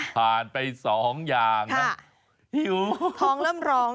ผ่านไป๒อย่างนะทิ้งท้องเริ่มร้อง